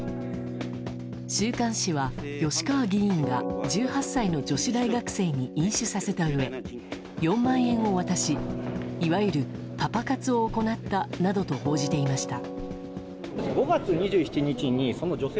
週刊誌は吉川議員が、１８歳の女子大学生に飲酒させたうえ４万円を渡しいわゆるパパ活を行ったなどと報じていました。